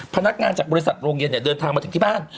พนักงานจากบริษัทโรงเย็นเนี่ยเดินทางมาถึงที่บ้าน